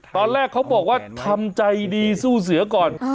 ตอนแรกเขาบอกว่าทำใจดีสู้เสือก่อน